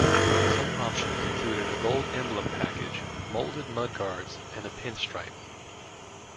Some options included a gold emblem package, molded mud guards, and a pin stripe.